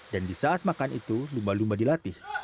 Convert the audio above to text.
dan di saat makan itu lumba lumba dilatih